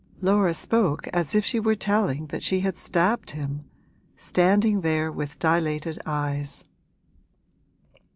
Laura spoke as if she were telling that she had stabbed him, standing there with dilated eyes.